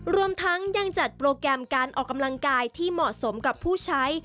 รวมทั้งยังจัดโปรแกรมการออกกำลังกายที่เหมาะสมกับผู้ใช้